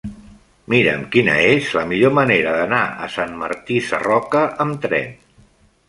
Mira'm quina és la millor manera d'anar a Sant Martí Sarroca amb tren.